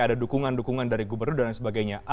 ada dukungan dukungan dari gubernur dan sebagainya